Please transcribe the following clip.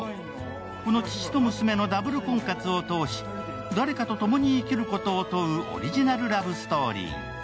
この父と娘のダブル婚活を通し、誰かと共に生きることを問うオリジナルラブストーリー。